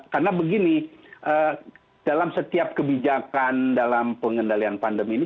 karena begini dalam setiap kebijakan dalam pengendalian pandemi ini